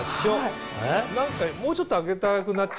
何かもうちょっとあげたくなっちゃうね。